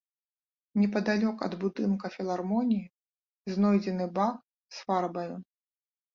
Непадалёк ад будынка філармоніі знойдзены бак з фарбаю.